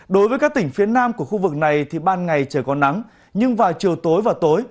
đối với các tỉnh phía nam của khu vực này thì ban ngày trời có nắng nhưng vào chiều tối và tối